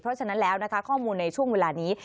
เพราะฉะนั้นแล้วนะคะข้อมูลในช่วงเวลานี้